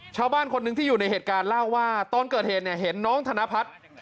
ชาวบ้านคนหนึ่งที่อยู่ในเหตุการณ์เล่าว่าตอนเกิดเหตุเนี่ยเห็นน้องธนพัฒน์